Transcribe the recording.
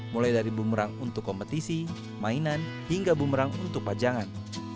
mulai dari bumerang untuk kompetisi mainan hingga bumerang untuk pajangan